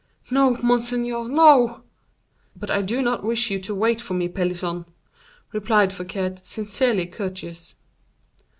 "No, monseigneur, no!" "But I do not wish you to wait for me, Pelisson," replied Fouquet, sincerely courteous.